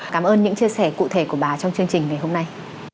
cảm ơn những chia sẻ cụ thể của bà trong chương trình ngày hôm nay